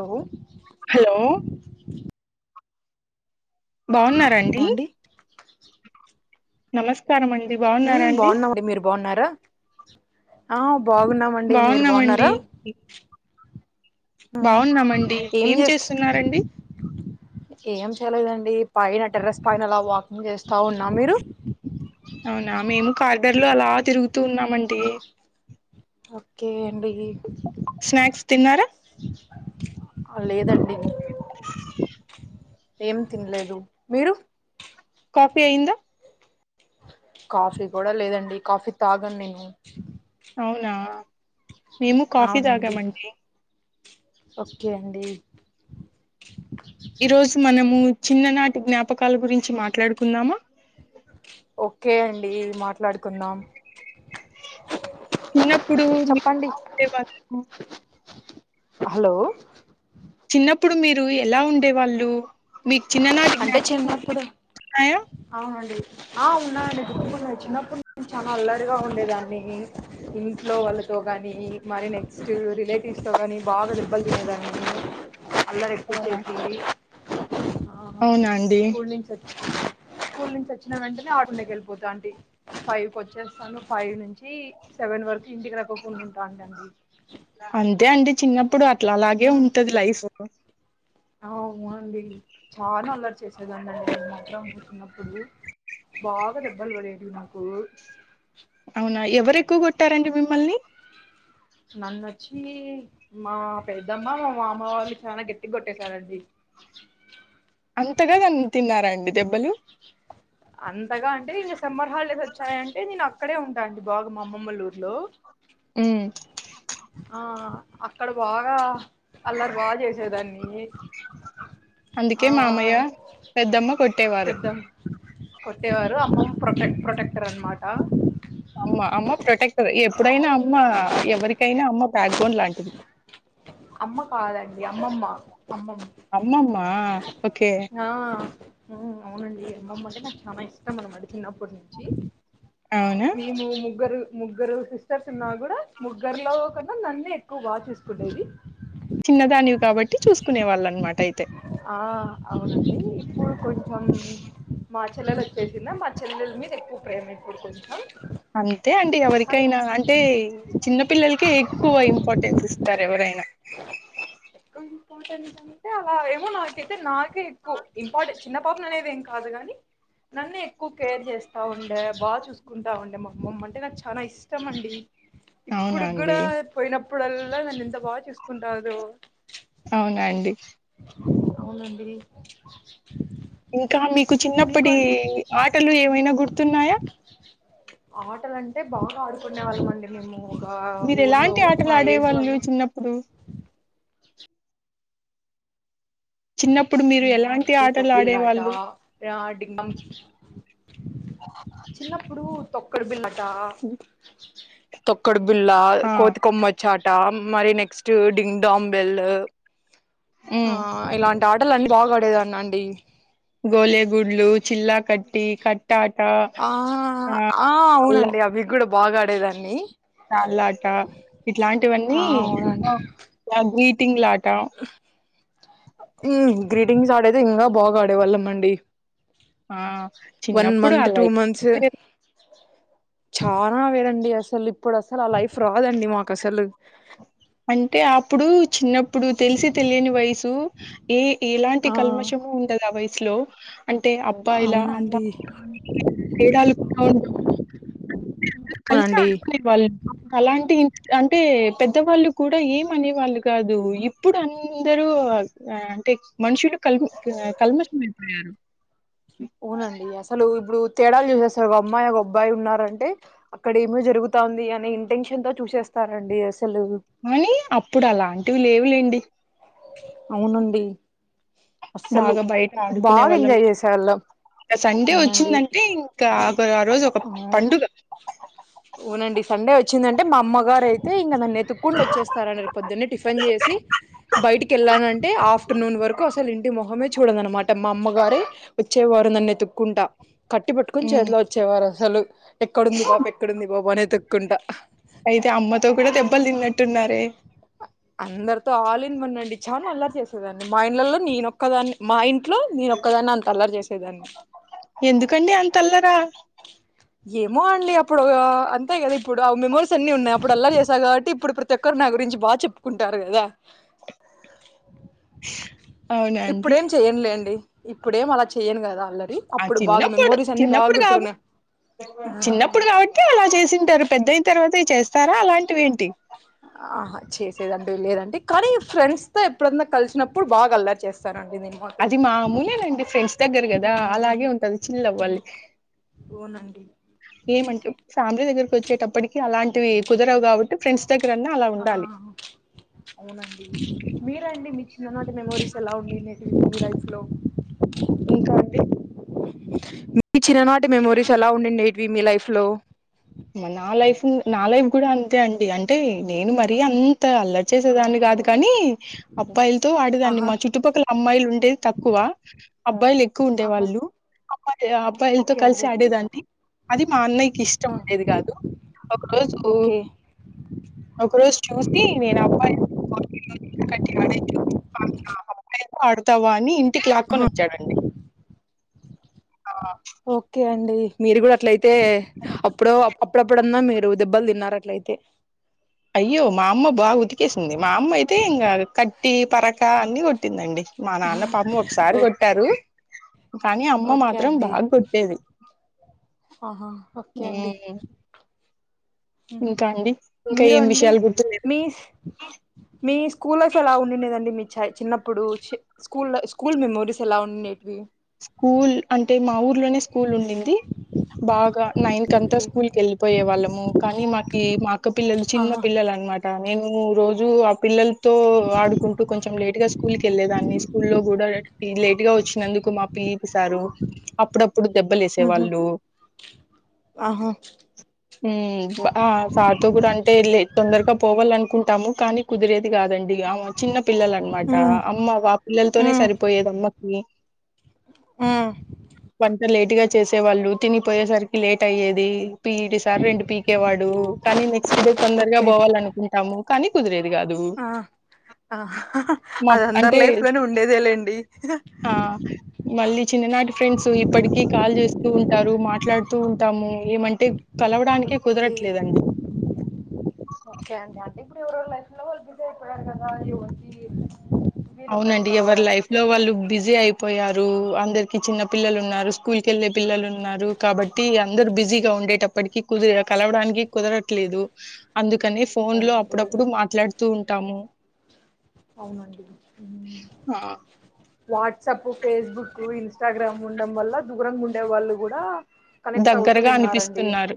Hello hello బాగున్నారండి అండి నమస్క ఉమ్ బాగునామండి మీరు బాగున్నారా ఆ బాగున్నామండి మీరు బాగున్నామండి బాగున్నారా ఉమ్ బాగున్నామండి ఏం చేస్తా చేస్తున్నారండి ఏం చేలేదండి పైన టెర్రస్ పైన అలా వాకింగ్ చేస్తా ఉన్నా మీరు అవునా మేము కార్డర్ లో అలా తిరుగుతూ ఉన్నామండి ఓకే అండి స్నాక్స్ తిన్నారా లేదండి ఏం తినలేదు మీరు కాఫీ అయింద కాఫీ కూడ లేదండి కాఫీ తాగను నేను అవునా మేము కాఫీ అవునండి తాగమండి ఓకే అండి ఈరోజు మనము చిన్ననాటి జ్ఞాపకాల గురించి మాట్లాడుకుందామ ఓకే అండి మాట్లాడుకుందాం చిన్నప్పుడు మీ చెప్పండి [unintelligible] హలో చిన్నప్పుడు మీరు ఎల ఉండే వాళ్ళు మీకు చిన్ననాటి అంటే జ్ఞాపన్నకలు చిన్నప్పుడు [unintelligible] అవునండి ఆ ఉన్నానండి [unintelligible] చిన్నప్పటి నుంచి చాలా అల్లరిగా ఉండేదాన్ని ఇంట్లో వాళ్ళతో కాని మరి నెక్స్ట్ రిలేటివ్స్ తో ని బాగ తె దెబ్బల్ తినేదన్ని అల్లరి ఎక్కువ అవునా చేసి ఆ అవునా అండి స్కూల్ నుంచి స్కూల్ నుంచి వచ్చిన వెంటనే [unintelligible] వెళ్ళిపోతా అంటీ ఫైవ్ వచ్చేస్తాను ఫైవ్ నుంచి సెవెన్ వరకు ఇంటికి రాకకుండ ఉంటాండి అంతే అండి చిన్నప్పుడు అట్లలాగే ఉంటది లైఫ్ అవునండి చాల అల్లరి చేసేదాన్ని అండి నేను మాత్రం చిన్నప్పుడు బగా దెబ్బల్ పడేవి నాకు అవునా ఎవరు ఎక్కువ కొట్టారండి మిమ్మల్ని నన్నోచ్చి మా పెద్దమ్మ మా మామ వాళ్ళ చాల గట్టిగ కొట్టేశారండి అంతగా తిన్నారా అండి దెబ్బలు అంతగా అంటే ఇంగ సమ్మర్ హాలిడేస్ వచ్చాయంటే నేను అక్కడే ఉంటాండి బాగ మా అమ్మమ్మ వాళ్ళ ఊరిలో హ్మ్. అక్కడ బాగ అల్లరు బాగా చేసేదాన్ని ఆ అందుకే మామయ్య పెద్దమ్మ కొట్టేవారు పెద్దమ్మ కొట్టేవారు అమ్మమ్మ ప్రొటెక్ట్ ప్రొటెక్టర్ అనమాట అమ్మ అమ్మ ప్రొటెక్టర్ ఎప్పుడైనా అమ్మ ఎవరికైనా అమ్మ బ్యాక్ బోన్ లాంటిది అమ్మ కాదండి అమ్మమ్మ అమ్మమ్మ అమ్మమ్మా ఓకే ఆ అవునండి అమ్మమ్మ అంటే నాకు చాలా ఇష్టం అనమాట చిన్నప్పటి నుంచి అవునా నేను ముగ్గురు ముగ్గురు సిస్టర్స్ ఉన్న కూడా ముగ్గురులోకుడ నన్నే ఎక్కువ బాగ చసుకుండేది చిన్నదానివి కాబట్టి చూసుకునే వాళ్ళ అన్నమాట అయితే ఆ అవునండి ఇప్పుడు కొంచెం మా చెల్లెలు వచ్చేసిన మా చెల్లల మీద ఎక్కువ ప్రేమ ఇప్పుడు కొంచెం అంతే అండి ఎవరికైనా అంటే చిన్న పిల్లలకే ఎక్కువ ఇంపార్టెన్స్ ఇస్తారు ఎవరై న [unintelligible] అలా నాకైతే నాకే ఎక్కువ ఇంపార్టెంట్ చిన్న పాపని అనేది ఏం కాదు గాని నన్నే ఎక్కువ కేర్ చేస్త ఉండే బాగా చూసుకుంటా ఉండే మా అమ్మమ్మ అంటే నాకు చాన ఇష్టం అండి అవునా ఇప్పుడు కూడ అండి పోయినప్పుడల్లా నన్ను ఇంత బాగ చూసుకుంటాదో అవునా అండి అవునండీ ఇంకా మీకు చిన్నప్పటి అండి ఆటలు ఏమైన గుర్తున్నాయ ఆటలంటే బాగా ఆడు కొనే వాళ్ళమండి మేము ఒక మీరు ఊర్లో ఎలాంటి ఆటలు మా ఏజ్ ఆడేవాళ్ళు వాళ్లు చిన్నప్పుడు చిన్నప్పుడు మీరు మేమా ఎలాంటి ఆటలు సూతోపిల్లాట ఆడేవాళ్ళు ఆడినం చిన్నప్పుడు తొక్కడు బిల్లట తొక్కడు బుల్ల ఆ కోతికొమ్మచాట మరి నెక్స్ట్ డింగ్డాంబెల్ ఆ ఇలాంటి ఆటలన్నీ బాగాడేదాన్నండి గోలే గుడ్లు చిల్లా కట్టి కట్ ఆ ఆ అవునండి అవిగూడ బా గాడేదాన్ని ల్లాట ఆ ఇట్లాంటివన్నీ అవునండి గ్రీటింగ్ లాట గ్రీటింగ్స్ ఆడైతే ఇంగా బాగాడేవాళ్ళ మండి ఆ వన్ చిన్నప్పుడు మంత్ అలా టూ మంత్స్ చాలా వేరండి అసలు ఇప్పుడసలు ఆ లైఫ్ రాదండి మాకసలు అంటే అప్పుడు చిన్నప్పుడు తెలిసి తెలియని వయసు ఏ ఎలాంటి ఆ కల్మషం ఉంటదా వైస్లో అంటే అబ్బాయిలా అమ్మా అవునండి తేడాలు కూడా అంటే అందరు కలిసి అవునండి ఆడుకునే వాళ్ళు అలాంటి అంటే పెద్దవాళ్ళు కూడా ఏమనేవాళ్ళు కాదు ఇప్పుడు అందరూ అంటే మనుషులు కల్ కల్మష్మంట యారు అవునండి అసలు ఇబుడు తేడాలు చూసే ఒకమ్మాయి ఒగబ్బాయి ఉన్నారంటే అక్కడ ఏమే జరుగుతా ఉంది అనే ఇంటెన్షన్ తో చూసే స్తనండి ఎస్ అప్పుడు అలాంటివి లేవులెండి అవునండి అస్సలు బాగా బయట ఆడుకునే వాళ్ళం. బాగెంజాయ్ చేసేవాళ్ళం సండే అవునండి వచ్చిందంటే ఇంకా ఆ రోజు ఒక ఆ పండుగ అవునండి సండే మా అమ్మగారైతే ఇంగ నన్నెతుక్కొంటూ వచ్చేస్తారనేద్ పొద్దున్నే టిఫన్ చేసి బైటికెళ్ల్ నంటే ఆఫ్టర్నూన్ వరకు అసలు ఇంటి మొహమే చూడననమాట మా అమ్మగారే వచ్చే వారు నన్నెతుక్కు ఉంట కట్టి పట్టుకోని హ్మ్. చేతిలో వచ్చేవారసలు ఎక్కడుంది ఈ పాప ఎక్కడుంది ఈ బాప అనెతుక్కుంటా అయితే అమ్మతో కూడా దెబ్బలు తిన్నట్టున్నారే అందరితో ఆల్ చాలా అల్లరి చేసేదాన్ని మా ఇంలలో నేనొక్కదాన్ని మా ఇంట్లో నేనొక్కదాన్ని అంత అల్లరు చేసే దన్ ఎందుకండి అంతల్లరా ఏమో అండి అప్పుడు అంతే గదా ఇప్పుడు ఆ మెమోరీస్ అన్ని ఉన్నాయి అప్పుడు అల్లా చేసా కాబట్టి ఇప్పుడు ప్రతి ఒక్కరు నా గురించి బా చెప్పుకుంటారు గదా అవునా అండి. ఇప్పుడేం చెయనులేండి ఇప్పుడేం అలా చెయను గదా అళ్ల ఆ! అప్పుడు బాగా చిన్నప్పుడు మెమోరీస్ అన్ని బాగు చిన్నప్పుడు చిన్నప్పుడు కాబట్టి అలా చేసింటారు పెద్దయిన తర్వాత స్తారా అలాంటి వేంటి ఆహా చేసేదండి లేదండి కానీ ఫ్రెండ్స్ తో ఎప్పుడన్న కలిసినప్పుడు బా గల్లరి చేస్తా అది మామూలేనండి ఫ్రెండ్స్ దగ్గర కదా అలాగే ఉంటది చిల్ అవ్వాలి పోనండి ఏమంటే ఫ్యామిలీ దగ్గరకి వచ్చేటప్పటికి అలాంటివి కుదరవు కాబట్టి ఫ్రెండ్స్ దగ్గరన్నా అలా ఆ ఉండాలి అవునండి మీరండి మీ చిన్న నాటి మెమోరీస్ ఎలా ఉండిటేటీవీ మీలైఫ్ లో ఇంకా అండి మీ చిన్ననాటి మెమోరీస్ ఎలా ఉండిటేటీవీ మీ లైఫ్ లో నా లైఫ్ నా లైఫ్ కూడా అంతే అండి అంటే నేను మరీ అంత అల్లరి చేసేదాని కాదు కానీ అబ్బాయిలతో ఆడేదాన్ని ఆహా మా చుట్టుపక్కల అమ్మాయిలు ఉంటే తక్కువ అబ్బాయిలు ఎక్కువ ఉండే ఆహా వాళ్ళు అబ్ అబ్బాయిలతో ఓకే కలిసి అండి ఆడేదాన్ని అది మా అన్నయ్యకి ఇష్టం ఉ డేది కాదు ఒక రోజు ఓకే ఒక రోజు చూసి నేను అబ్బాయి ఆడతావా అని ఇంటికి లాక్కొని ఆ వచ్చాడండి ఓకే అండి మీరు కూడా అట్లయితే అప్పుడు అప్పుడప్పుడన్నా మీరు దెబ్బలు తిన్నారు అట్లయితే అయ్యో మా అమ్మ బాగా ఉతికేసింది మా అమ్మ అయితే ఇంకా కట్టి పరక అన్ని కొట్టిందండి మా నాన్న పాపం ఒకసారి ఓకే కొట్టారు కానీ అమ్మ ఓకే మాత్రం అండి బాగ కొట్టేది ఆహా ఓకే అండి హ్మ్. ఇంకా అండి ఇంకా మీరు ఏం అండి విషయాలు గుర్తులేవు? మీ మీ స్కూల్స్ ఎలా ఉండేదండి మీ చ చిన్నప్పుడు స్కూల్ స్కూల్ మెమోరీస్ ఎలా ఉండేటివి స్కూల్ అంటే మా ఊర్లోనే స్కూల్ ఉండింది బాగా నైన్ కంతా ఓకే స్కూల్ కి వెళ్ళిపోయే వాళ్ళము కానీ మాకి మా అక్కపిల్లలు చిన్న ఆహా పిల్లలు అనమాట నేను రోజు ఆ పిల్లలు తో ఆడుకుంటూ కొంచెం లేట్ గా స్కూల్ కి వెళ్ళలేదాన్ని స్కూల్ లో కూడా లేట్ గా వచ్చినందుకు మా పీటి సారు అప్పుడప్పుడు దెబ్బలు ఉహు వేసేవాళ్ళు ఆహా ఆ సార్తో గుడా అంటే వెళ్ళి తొందరగా పోవాల అనుకుంటాము కానీ కుదిరేది కాదండి చిన్న పిల్లల అనమాట ఉ అమ్మ వా ఉ పిల్లలతోనే సరిపోయేది అమ్మకి ఉ వంట లేటుగా చేసేవాళ్ళు తినిపోయేసరికి లేట్ అయ్యేది పీఈటి సార్ రెండు పీకేవాడు కానీ నెక్స్ట్ డే తొందరగా ఓకే పోవాలనుకుంటాము కానీ కుదిరేది నువ్వు ఆ ఆ హహ అది అందరి లైఫ్ లోనే ఉండేదే లేండి ఆ మళ్ళీ చిన్ననాటి ఫ్రెండ్సు ఇప్పడికి కాల్ చేస్తూ ఉంట రు మాట్లాడుతూ ఉంటాము ఏమంటె కలవడానికి ఒకే ఒకే అండి ఇప్పుడు ఎవరెవరి లైఫ్లో వాళ్ళు బిజి అయిపోయారు కదా వీలు ఉండదు అవునండి ఎవరు లైఫ్ కలవడానికి లో వాళ్ళు బిజీ అయిపోయారు అందరికి చిన్న పిల్లలు ఉన్నారు అవునండి స్కూల్కెళ్లే పిల్లలు ఉన్నారు కాబట్టి అందరు బిజీగా ఉండేటప్పటికి కుదిరే కలవడానికి కుదరట్లేదు అందుక్ కని ఫోన్లో అవునండి అప్పుడప్పుడు మాట్లాడుతూ ఉంటాము అవునండి ఉమ్. ఆ వాట్సాప్ ఫేస్బుక్ ఇన్స్టాగ్రామ్ ఉండం వల్ల దూరంగ్ ఉండే వాళ్ళు కూడా కనెక్ట్ అవుతూ దగ్గరగా ఉన్నారండి అనిపిస్తున్నారు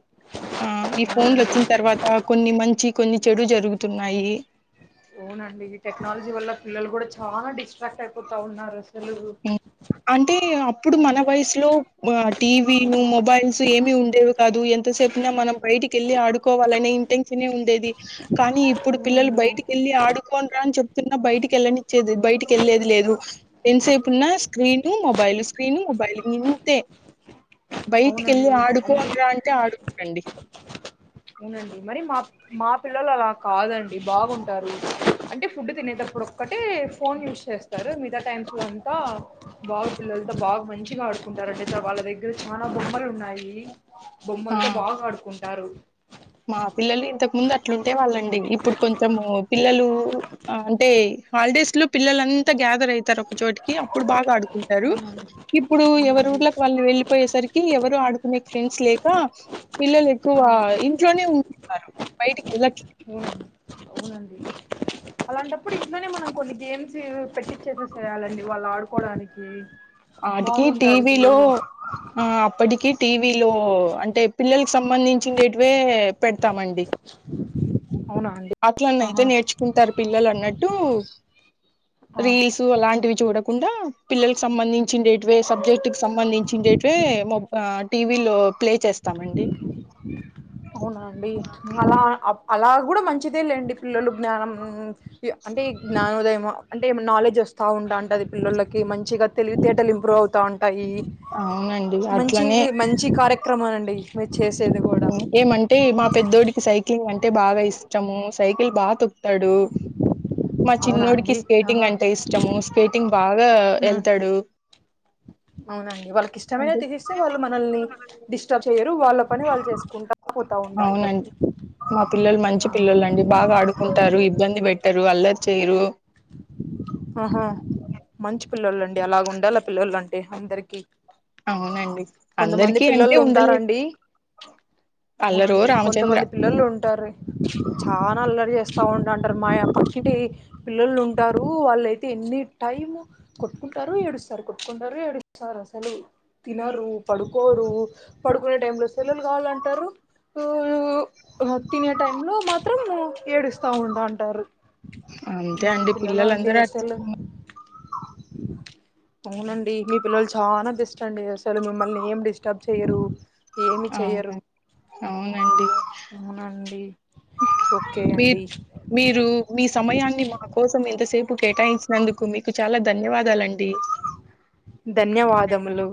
ఆ ఈ ఫోన్లు అవునండి వచ్చిన తర్వాత కొన్ని మంచి కొన్ని చెడు జరుగుతున్నాయి అవునండి ఈ టెక్నాలజీ వల్ల పిల్లలు కూడ చాలా డిస్ట్రాక్ట్ అయిపోతు ఉన్నారు అసలు అంటే అప్పుడు మన వయసులో బా టీవీను మొబైల్స్ ఏమి ఉండేవి కాదు ఎంతసేపున మనం బయటికెళ్ళి ఆడుకోవాలనే ఇంటెన్షన్ ఉండేది కానీ ఇప్పుడు పిల్లలు అవునండి బయటికెళ్ళి ఆడుకొండ్ర అని చెప్ప చెప్పిన బయటికెళ్లనిచేది బయటికెళ్లేది లేదు ఎంసేపు ఉన్న స్క్రీను మొబైల్ స్క్రీను మొబైల్ ఇంతే బయటికెళ్ళి అవునండి ఆడుకోం అందుకే రా అంటే ఆడుకోరండి అవునండి మరీ మా మా పిల్లలు అలా కాదండి బాగుంటారు అంటే ఫుడ్ తినేటప్పుడు ఇప్పుడొక్కటే ఫోన్ యూస్ చేస్తారు మిగతా టైమ్స్ లో అంతా బాగు పిల్లలతో బాగా మంచిగ ఆడుకుంటారండి వాళ్ళ దగ్గర చాలా బొమ్మలు ఉన్నాయి ఆ బొమ్మలతో బాగా ఆడుకుంటారు మా పిల్లలు ఇంతకు ముందు అట్లుంటే వాళ్ళండి ఇప్పుడు కొంచెము పిల్లలు అంటే హాలిడేస్ లో పిల్లలు అంతా గ్యాదర్ అయితారు ఒకచోటికి కి అప్పుడు బాగా ఆడుకుంటరు అవునండి ఇప్పుడూ ఎవరు అవునండి ఊళ్ళకి వాళ్ళు వెళ్ళిపోయేసరికి ఎవరు ఆడుకునే ఫ్రెండ్స్ లేక పిల్లలు ఎక్కువ ఆ క్వా ఇంట్లోనే ఉంటున్నారు బయటికి వెళ్ళట్లే అవునండి అవునండి అలాంటప్పుడు ఇంట్లోనే మనం కొన్ని గేమ్స్ పెట్టించేసి చేయాలండి వాళ్ళు ఆడుకోవడానికి ఆటికి బాగుంటాది టీవీలో పిల్లలు ఆ అప్పటికి టీవీలో అంటే పిల్లలకి సంబంధించేవ్తే పెడతామండి అవునా అండి అట్లన్నాయితే ఆహా నేర్చుకుంటరు పిల్లలు అన్నట్టు ఆ రీల్సు అలాంటివి చూడకుండా పిల్లలకు సంబంధిం చిన్డేట్వి సబ్జెక్ట్ సంబంధించిండేటివే మొ ఆ టీవీ లో ప్లే చేస్తామండి అవున అండి అలా అప్ అలా కూడ మంచిదే లేండి పిల్లలు జ్ఞానం అంటే జ్ఞానోదయం అంటే నాలెడ్జ్ వస్తుంది స్థవుండడది పిల్లోళ్లకి మంచిగా తెలివి తేటల్ ఇంప్రూవ్ అవుతా ఉంట టాయి అవునండి మంచి అట్లనే మంచి కార్యక్రమాలండి మీరు చేసే ఏమంటే మా పెద్దోడికి సైకిలింగ్ అంటే బాగా ఇష్టమూ సైకిల్ బాగా తొప్పు తడు మా అవునా చిన్నడికి అండి స్కేటింగ్ ఆహా అంటే ఇష్టము స్కేటింగ్ బాగా ఆ ఉమ్, ఎళ్తాడు అవునండి వాళ్ళకి ఇష్టమైన తీసిస్తే వాళ్ళు మనల్ని డిస్టర్బ్ చేయరు రు వాళ్ళ పని వాళ్ళు చేసుకుంటా పోతా ఉంటాంటారు అవునండి మా పిల్లలు మంచి పిల్లలు అండి బాగా ఆడుకుంటారు ఇబ్బంది పెట్టరు అల్లరి చేయరు ఆహా మంచి పిల్లలండి అలా ఉండాల పిల్లలు అంటే అందరికి అవునండి కొంతమంది అందరికీ పిల్లలు అంటే ఉండలేదు ఉంటారండి అల్లరో అవునండి రామచంద్ర కొంతమంది పిల్లలు ఉంటారు చాన అల్లరి చేస్తారు సౌండ్ అంటారు మా పక్కింటి పిల్లోలు ఉంటారు కూ వాళ్ళయితే ఎన్ని టైమ్ కొట్టుకుంటారు ఏడుస్తారు కొట్టుకుంటారు ఏడుస్తారు అసలు తినరు పడుకోరు పడుకునే టై లో సెల్లులు కావాలంటారు తినే టైం లో మాత్రం ఏడుస్తా ఉంటంటారు అంతే అండి పిల్లలందరూ అట్లా వున్ అవునండి మీ పిల్లలు చాలా బిస్ట్ అండి అసలు మిమ్మల్ని ఏం డిస్టర్బ్ చేయ్యరు ఏమి చెయ్యరు అవును అవునండి అవునండి. ఓకే మీక్ అండి. మీరు మీ సమయాన్ని మా కోసం ఇంతసేపు కేటాయించినందుకు మీకు చాలా ధన్యవాదాలండి ధన్యవాదములు